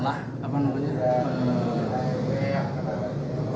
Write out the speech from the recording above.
bahwa dia telah